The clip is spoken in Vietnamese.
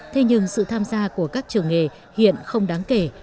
thế nhưng sự tham gia của các trường nghề hiện không đáng kể